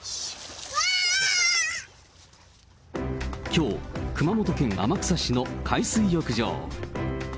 きょう、熊本県天草市の海水浴場。